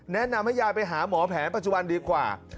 แนะนำให้ยายไปหาหมอแผนปัจจุบันดีกว่า